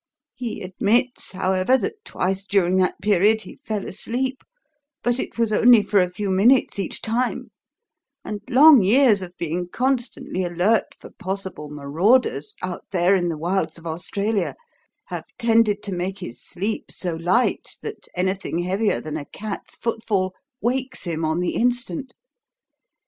He admits, however, that twice during that period he fell asleep, but it was only for a few minutes each time; and long years of being constantly alert for possible marauders out there in the wilds of Australia have tended to make his sleep so light that anything heavier than a cat's footfall wakes him on the instant.